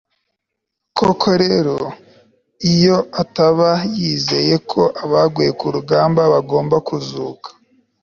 koko rero, iyo ataba yizeye ko abaguye ku rugamba bagombaga kuzuka